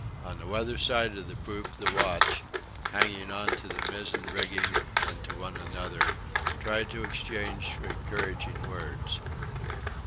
On the weather side of the poop the watch, hanging on to the mizen rigging and to one another, tried to exchange encouraging words.